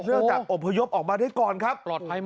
เนื่องจากอบพยพออกมาได้ก่อนครับ